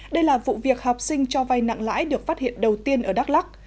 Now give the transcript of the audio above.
đây là vụ việc học sinh cho vay nặng lãi được phát hiện đầu tiên ở đắk lắc